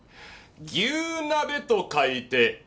「牛鍋」と書いて蝸牛！